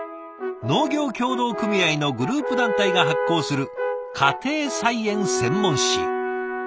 農業協同組合のグループ団体が発行する家庭菜園専門誌。